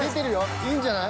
いいんじゃない。